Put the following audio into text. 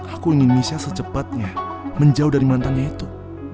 aku ingin bisa secepatnya menjauh dari mantannya itu